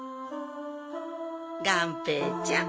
がんぺーちゃん。